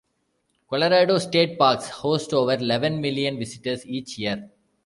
Colorado State Parks host over eleven million visitors each year.